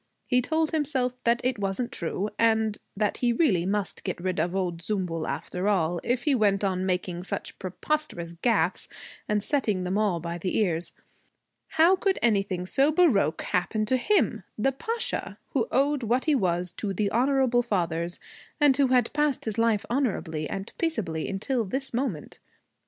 He told himself that it wasn't true and that he really must get rid of old Zümbül after all, if he went on making such preposterous gaffes and setting them all by the ears. How could anything so baroque happen to him, the Pasha, who owed what he was to the honorable fathers and who had passed his life honorably and peaceably until this moment?